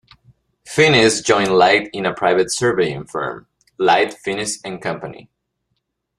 Finniss joined Light in a private surveying firm, "Light, Finniss and Co".